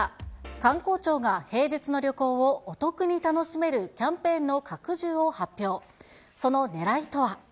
観光庁が平日の旅行をお得に楽しめるキャンペーンの拡充を発表。